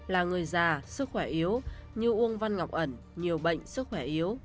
là người già sức khỏe yếu như uông văn ngọc ẩn nhiều bệnh sức khỏe yếu